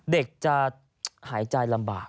เด็กจะหายใจลำบาก